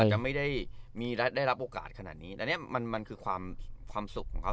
อาจจะไม่ได้มีได้ได้รับโอกาสขนาดนี้แต่เนี้ยมันมันคือความความสุขของเขา